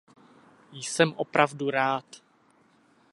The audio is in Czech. Jsem opravdu rád.